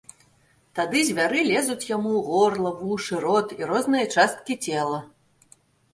Тады звяры лезуць яму ў горла, вушы, рот і розныя часткі цела.